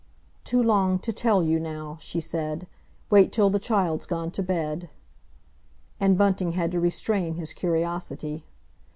"Too long to tell you now," she said. "Wait till the child's gone to bed." And Bunting had to restrain his curiosity.